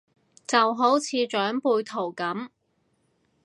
就好似長輩圖咁